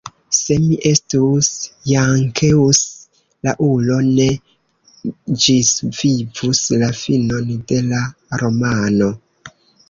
Se mi estus Jankeus, la ulo ne ĝisvivus la finon de la romano.